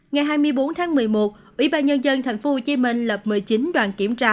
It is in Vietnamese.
ngày hai mươi bốn tháng một mươi một ủy ban nhân dân thành phố hồ chí minh lập một mươi chín đoàn kiểm tra